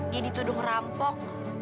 dia dituduh merampok